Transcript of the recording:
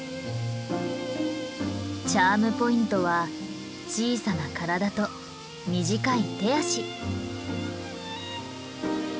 チャームポイントは小さな体と短い手足。